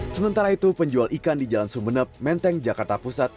sementara itu penjual ikan di jalan sumeneb menteng jakarta pusat